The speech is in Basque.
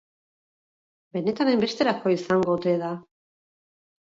Benetan hainbesterako izango ote da?